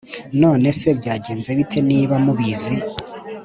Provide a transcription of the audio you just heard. nonese , byagenze bite niba mubizi?